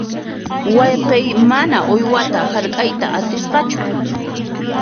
Wayqiy mana uywata hark'ayta atisqachu.